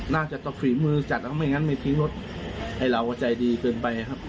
น่าจะต้องฝีมือจัดแล้วไม่งั้นไม่ทิ้งรถให้เราใจดีเกินไปครับ